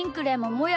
もや！